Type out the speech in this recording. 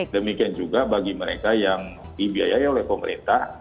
demikian juga bagi mereka yang dibiayai oleh pemerintah